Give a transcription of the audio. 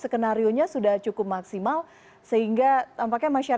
kalau saya agak pesimis ya